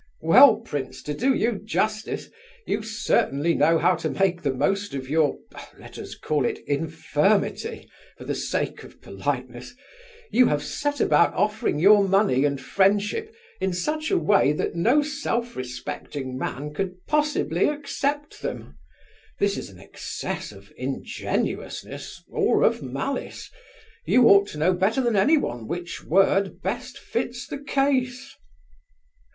"Well, prince, to do you justice, you certainly know how to make the most of your—let us call it infirmity, for the sake of politeness; you have set about offering your money and friendship in such a way that no self respecting man could possibly accept them. This is an excess of ingenuousness or of malice—you ought to know better than anyone which word best fits the case."